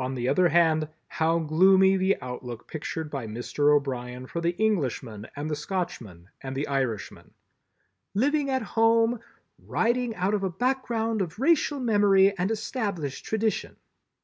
On the other hand, how gloomy the outlook pictured by Mr. O'Brien for the Englishman and the Scotchman and the Irishman! "Living at home—writing out of a background of racial memory and established tradition."